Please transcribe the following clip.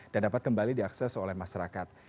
dan dapat kembali diakses oleh masyarakat